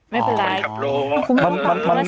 ไม่เป็นไรสับไปโว้ยโว้ยซับไปคุณไม่อยากไป